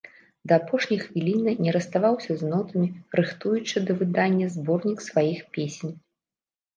Да апошняй хвіліны не расставаўся з нотамі, рыхтуючы да выдання зборнік сваіх песень.